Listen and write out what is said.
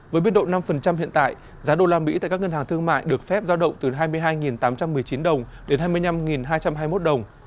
với biên độ năm hiện tại giá đô la mỹ tại các ngân hàng thương mại được phép giao động từ hai mươi hai tám trăm một mươi chín đồng đến hai mươi năm hai trăm hai mươi một đồng